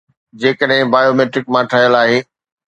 جيڪڏهن بايوميٽرڪ مان ٺهيل آهي